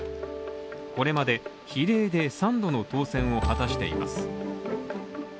これまで比例で３度の当選を果たしています。